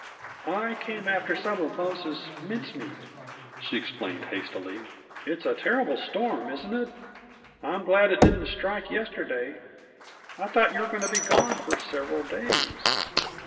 "I came after some of Mose's mince meat," she explained hastily. "It's a terrible storm, isn't it? I'm glad it didn't strike yesterday. I thought you were going to be gone for several days."